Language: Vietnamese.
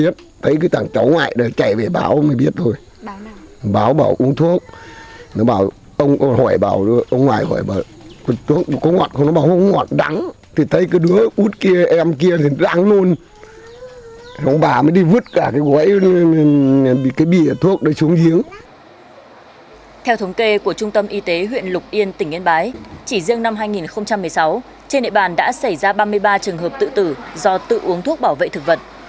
theo thống kê của trung tâm y tế huyện lục yên tỉnh yên bái chỉ riêng năm hai nghìn một mươi sáu trên địa bàn đã xảy ra ba mươi ba trường hợp tự tử do tự uống thuốc bảo vệ thực vật